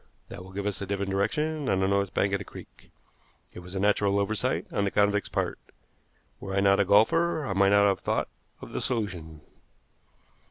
That will give us a different direction on the north bank of the creek. It was a natural oversight on the convict's part. Were I not a golfer I might not have thought of the solution."